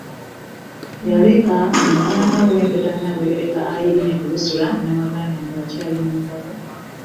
Yaleka omuzaana we ow’empeta Naabagereka Irene Drusilla Namaganda ng’akyalimu embaga.